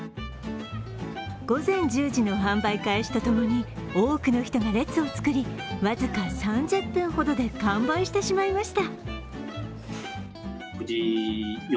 午前１０時の販売開始と共に多くの人が列を作り、僅か３０分ほどで完売してしまいました。